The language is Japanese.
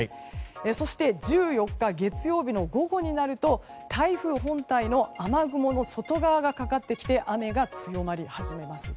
そして、１４日月曜日の午後になると台風本体の雨雲の外側がかかってきて雨が強まり始めます。